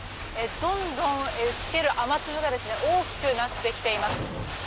どんどん打ち付ける雨粒が大きくなってきています。